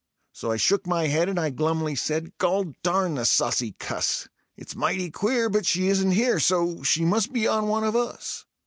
So I shook my head, and I glumly said: "Gol darn the saucy cuss! It's mighty queer, but she isn't here; so ... she must be on one of us.